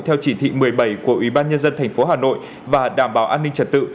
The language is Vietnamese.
theo chỉ thị một mươi bảy của ubnd thành phố hà nội và đảm bảo an ninh trật tự